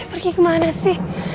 dia pergi kemana sih